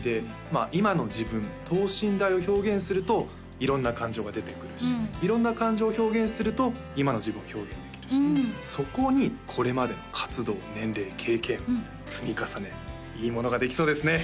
まあ今の自分等身大を表現すると色んな感情が出てくるし色んな感情を表現すると今の自分を表現できるしそこにこれまでの活動年齢経験積み重ねいいものができそうですね